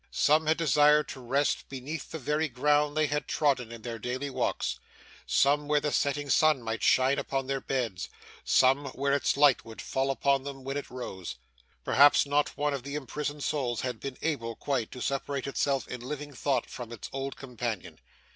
Some had desired to rest beneath the very ground they had trodden in their daily walks; some, where the setting sun might shine upon their beds; some, where its light would fall upon them when it rose. Perhaps not one of the imprisoned souls had been able quite to separate itself in living thought from its old companion.